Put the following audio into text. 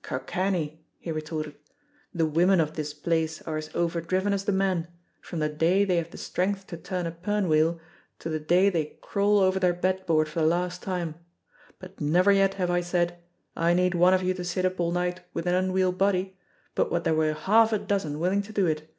"Ca' canny," he retorted. "The women of this place are as overdriven as the men, from the day they have the strength to turn a pirn wheel to the day they crawl over their bed board for the last time, but never yet have I said, 'I need one of you to sit up all night wi' an unweel body,' but what there were half a dozen willing to do it.